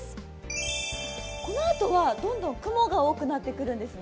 このあとはどんどん雲が多くなってくるんですね。